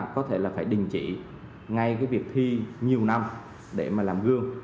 có thể là phải đình chỉ ngay cái việc thi nhiều năm để mà làm gương